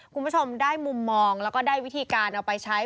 คุณผู้ชมได้มุมมองแล้วก็ได้วิธีการเอาไปใช้